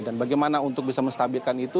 dan bagaimana untuk bisa menstabilkan itu